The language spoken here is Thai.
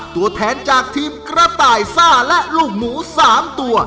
ตัวแทนจากทีมกระต่ายซ่าและลูกหมู๓ตัว